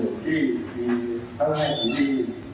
และอุดเวิร์ดที่ท่าแรกอยู่ที่